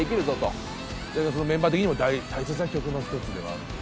メンバー的にも大切な曲の１つではあると？